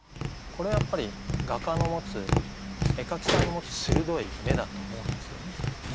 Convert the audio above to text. これはやっぱり画家の持つ絵描きさんの持つ鋭い目だと思うんですよね。